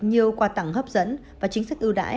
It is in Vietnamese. nhiều quà tặng hấp dẫn và chính sách ưu đãi